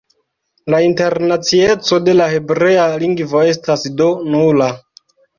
La internacieco de la hebrea lingvo estas do nula.